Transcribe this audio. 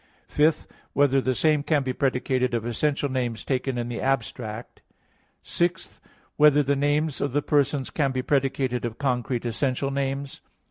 (5) Whether the same can be predicated of essential names taken in the abstract? (6) Whether the names of the persons can be predicated of concrete essential names?